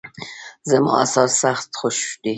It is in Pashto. زما انار سخت خوښ دي